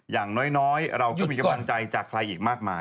อย่างน้อยเราก็มีกำลังใจจากใครอีกมากมาย